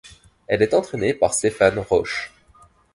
Elle est entraînée par Stéphane Roche.